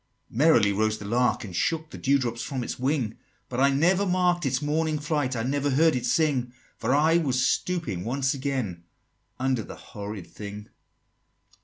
XXIX. "Merrily rose the lark, and shook The dew drop from its wing; But I never mark'd its morning flight, I never heard it sing: For I was stooping once again Under the horrid thing."